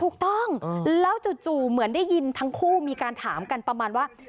ถูกต้องแล้วจู่เหมือนได้ยินทั้งคู่มีการถามกันประมาณว่า